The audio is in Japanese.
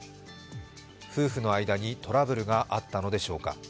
夫婦の間にトラブルがあったのでしょうか。